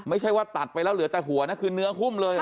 ไม่ใช่ว่าตัดไปแล้วเหลือแต่หัวนะคือเนื้อหุ้มเลย